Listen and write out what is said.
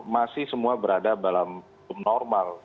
masih semua berada dalam normal